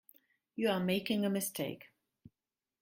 You are making a mistake.